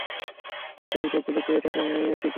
বিস্ফোরিত চোখগুলো চেয়ে থাকে লাঈছের দিকে।